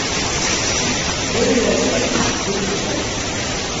Дәы иаҵәак дықәлан.